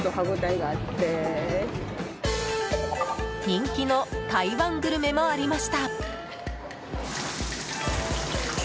人気の台湾グルメもありました。